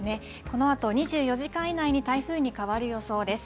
このあと２４時間以内に台風に変わる予想です。